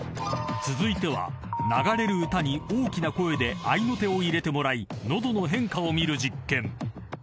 ［続いては流れる歌に大きな声で合いの手を入れてもらい喉の変化を見る実験］